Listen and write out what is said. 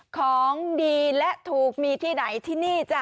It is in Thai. ของดีและถูกมีที่ไหนที่นี่จ้ะ